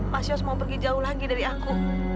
mas yos mau pergi jauh lagi dari aku